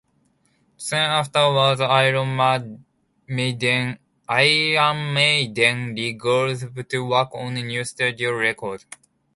Soon afterwards, Iron Maiden regrouped to work on a new studio record.